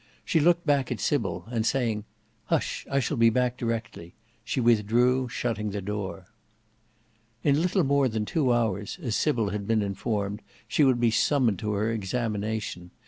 She looked back at Sybil, and saying, "Hush, I shall be back directly," she withdrew, shutting the door. In little more than two hours, as Sybil had been informed, she would be summoned to her examination.